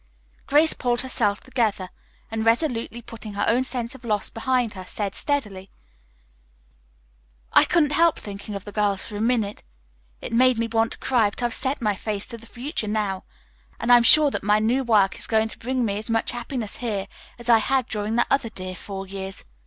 Grace pulled herself together and, resolutely putting her own sense of loss behind her, said steadily: "I couldn't help thinking of the girls for a minute. It made me want to cry, but I've set my face to the future now, and I'm sure that my new work is going to bring me as much happiness here as I had during the other dear four years.